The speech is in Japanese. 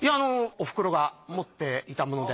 おふくろが持っていたもので。